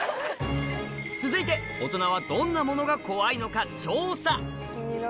続いてオトナはどんなモノが怖いのか調査